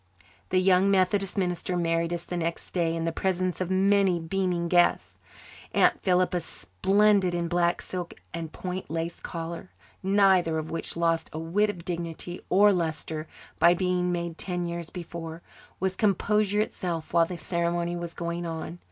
The young Methodist minister married us the next day in the presence of many beaming guests. Aunt Philippa, splendid in black silk and point lace collar, neither of which lost a whit of dignity or lustre by being made ten years before, was composure itself while the ceremony was going on.